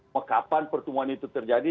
mekapan pertemuan itu terjadi